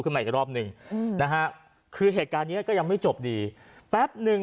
มาอีกรอบหนึ่งอืมนะฮะคือเหตุการณ์เนี้ยก็ยังไม่จบดีแป๊บหนึ่ง